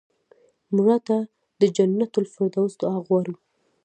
مړه ته د جنت الفردوس دعا غواړو